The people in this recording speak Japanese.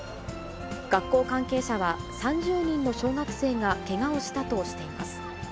学校関係者は、３０人の小学生がけがをしたとしています。